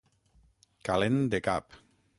Calent de cap.